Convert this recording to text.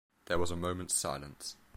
There was a moment's silence.